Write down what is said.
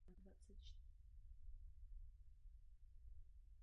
Na hladině podzemní vody je tlak atmosférický.